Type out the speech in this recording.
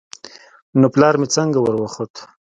نو پلار مې څنگه وروخوت.